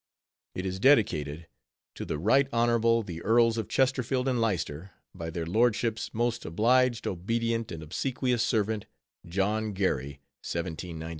_ It is dedicated _"To the Right Honorable the Earls of Chesterfield and Leicester, by their Lordships' Most Obliged, Obedient, and Obsequious Servant, John Gary,_ 1798."